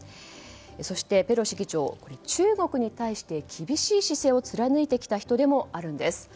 そして、ペロシ議長は中国に対して厳しい姿勢を貫いてきた人でもあるんです。